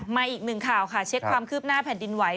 อีกหนึ่งข่าวค่ะเช็คความคืบหน้าแผ่นดินไหว